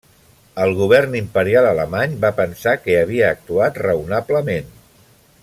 El Govern Imperial alemany va pensar que havia actuat raonablement.